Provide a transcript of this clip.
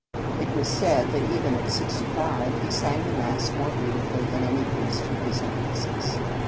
It was said that, even at sixty five, he sang the Mass more beautifully than any priest in his diocese.